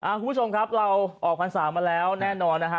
คุณผู้ชมครับเราออกพรรษามาแล้วแน่นอนนะฮะ